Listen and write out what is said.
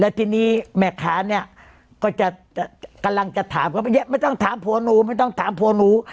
ทีนี้แม่ค้าเนี่ยก็จะกำลังจะถามเขาไปเยอะไม่ต้องถามผัวหนูไม่ต้องถามผัวหนู